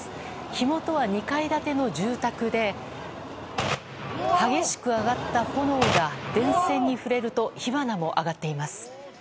火元は２階建ての住宅で激しく上がった炎が電線に触れると火花も上がっています。